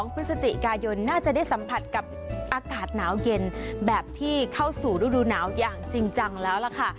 พฤศจิกายนน่าจะได้สัมผัสกับอากาศหนาวเย็นแบบที่เข้าสู่ฤดูหนาวอย่างจริงจังแล้วล่ะค่ะ